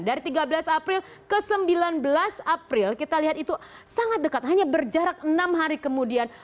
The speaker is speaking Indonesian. dari tiga belas april ke sembilan belas april kita lihat itu sangat dekat hanya berjarak enam hari kemudian